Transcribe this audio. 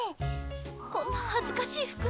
こんな恥ずかしい服！